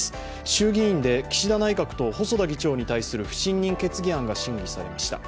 衆議院で岸田内閣と細田議長に対する不信任決議案が審議されました。